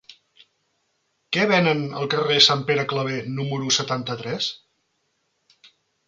Què venen al carrer de Sant Pere Claver número setanta-tres?